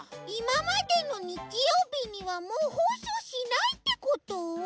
いままでのにちようびにはもうほうそうしないってこと？